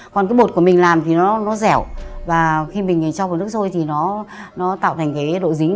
còn cái bột của mình làm thì nó dẻo và khi mình cho vào nước sôi thì nó tạo thành cái độ dính